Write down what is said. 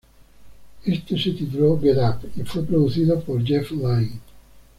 Este se tituló "Get Up" y fue producido por Jeff Lynne.